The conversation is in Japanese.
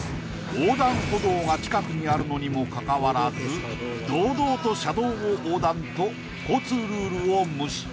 横断歩道が近くにあるのにもかかわらず堂々と車道を横断と交通ルールを無視。